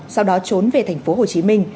sau đó trốn về tp hcm